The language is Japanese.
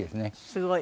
すごい。